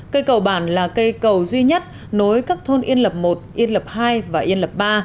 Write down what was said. cây cầu bản là cây cầu duy nhất nối các thôn yên lập i yên lập ii và yên lập iii